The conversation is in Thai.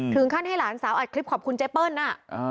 ให้หลานสาวอัดคลิปขอบคุณเจเปิ้ลน่ะ